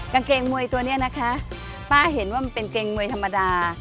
กางเกงมวยตัวนี้นะคะป้าเห็นว่ามันเป็นเกงมวยธรรมดา